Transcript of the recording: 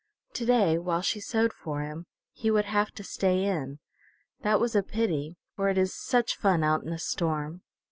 To day, while she sewed for him, he would have to stay in. That was a pity, for it is such fun out in a storm.